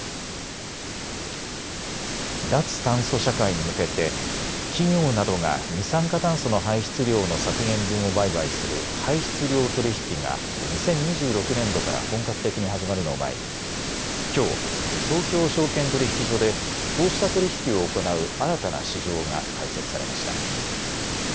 脱炭素社会に向けて企業などが二酸化炭素の排出量の削減分を売買する排出量取引が２０２６年度から本格的に始まるのを前にきょう東京証券取引所でこうした取り引きを行う新たな市場が開設されました。